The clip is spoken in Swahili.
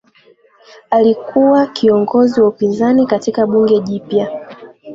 Alikuwa kiongozi wa upinzani katika bunge jipya